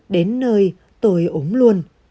đến nơi tôi ốm luôn